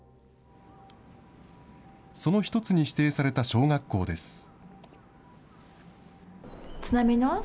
その一つに指定された小学校です。